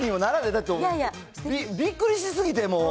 だってびっくりしすぎてもう。